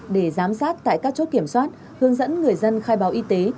để giám sát tại các chốt kiểm soát hướng dẫn người dân khai báo y tế